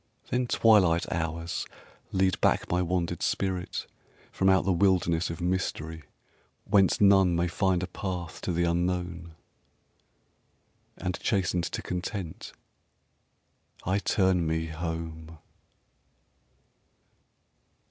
Then twilight hours lead back my wandered spirit From out the wilderness of mystery Whence none may find a path to the Unknown, And chastened to content I turn me home.